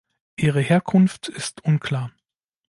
Ihre Herkunft ist unklar.